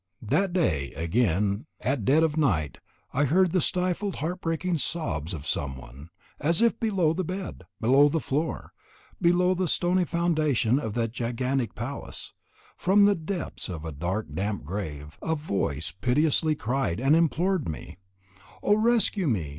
That day again at dead of night I heard the stifled heart breaking sobs of some one as if below the bed, below the floor, below the stony foundation of that gigantic palace, from the depths of a dark damp grave, a voice piteously cried and implored me: "Oh, rescue me!